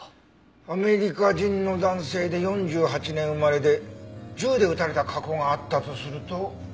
アメリカ人の男性で４８年生まれで銃で撃たれた過去があったとすると。